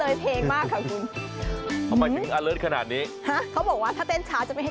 เฮ้อเพลงมากอาเลิศขนาดนี้ฮะเขาบอกว่าถ้าเท็นช้าจะไม่ให้